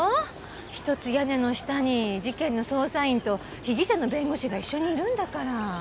一つ屋根の下に事件の捜査員と被疑者の弁護士が一緒にいるんだから。